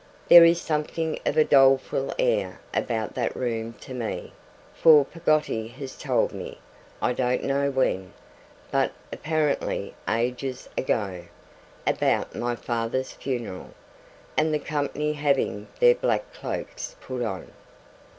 There is something of a doleful air about that room to me, for Peggotty has told me I don't know when, but apparently ages ago about my father's funeral, and the company having their black cloaks put on.